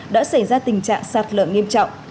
đã xảy ra tình trạng sạt lở nghiêm trọng